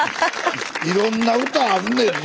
いろんな歌あるねんな。